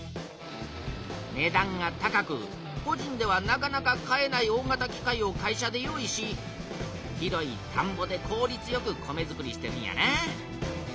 ねだんが高くこじんではなかなか買えない大型機械を会社で用意し広いたんぼでこうりつよく米づくりしてるんやな。